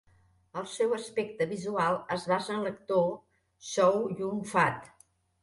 El seu aspecte visual es basa en l'actor Chow Yun-fat.